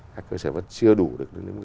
các cơ sở vật chứa đủ